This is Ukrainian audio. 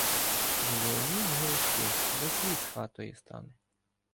Зазеленіють гілочки — весь ліс хатою стане.